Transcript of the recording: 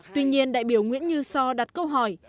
tuy nhiên đại biểu nguyễn như so đặt câu hỏi